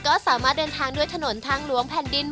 ก็สามารถเดินทางด้วยถนนทางหลวงแผ่นดิน